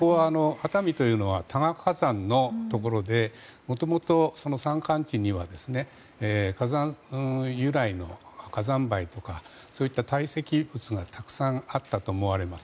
熱海というのは火山のところでもともと山間地には火山由来の火山灰とか堆積物がたくさんあったと思われます。